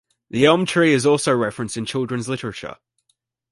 The Elm Tree is also referenced in children's literature.